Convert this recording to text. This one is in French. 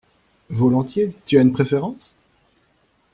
Volontiers, tu as une préfèrence?